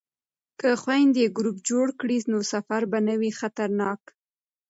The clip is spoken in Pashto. که خویندې ګروپ جوړ کړي نو سفر به نه وي خطرناک.